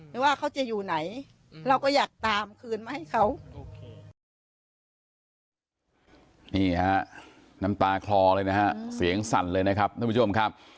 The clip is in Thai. นี่นะครับน้ำตาคลอเลยเสียงสั่นเลยนะครับทุกผู้ชมครับ